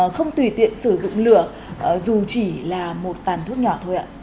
không tùy tiện sử dụng lửa dù chỉ là một tàn thuốc nhỏ thôi ạ